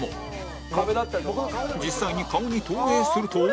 実際に顔に投影すると